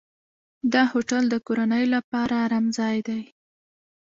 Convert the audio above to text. دا هوټل د کورنیو لپاره آرام ځای دی.